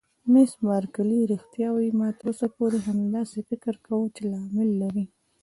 مس بارکلي: رښتیا وایې؟ ما تر اوسه پورې همداسې فکر کاوه چې لامل لري.